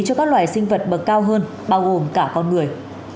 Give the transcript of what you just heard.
cho các loài sinh vật bậc cao hơn bao gồm cả con người